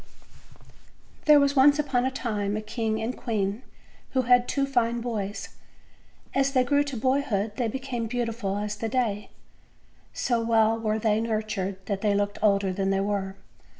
THEKE was once upon a time a king and queen who had two fine boys. As they grew to boyhood they be came beautiful as the day; so well were they nurtured that they looked older than they were.